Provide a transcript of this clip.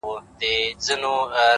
هره پوښتنه نوی فکر راویښوي!